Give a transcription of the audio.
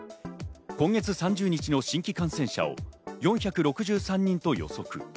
今月３０日の新規感染者を４６３人と予測。